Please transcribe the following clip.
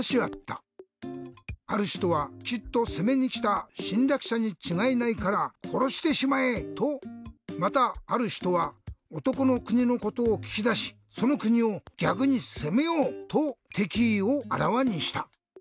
あるひとは「きっとせめにきたしんりゃくしゃにちがいないからころしてしまえ！」とまたあるひとは「おとこのくにのことをききだしそのくにをぎゃくにせめよう！」とてきいをあらわにした。